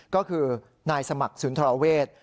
ก็คือนายสมัครศูนย์ธราเวศ